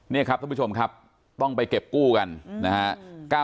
นี่ครับท่านผู้ชมครับต้องไปเก็บกู้กันนะฮะ